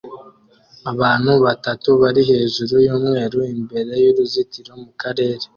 Abantu batatu bari hejuru yumweru imbere yuruzitiro mukarere